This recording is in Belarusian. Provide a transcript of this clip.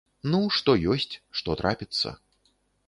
Ну, што ёсць, што трапіцца.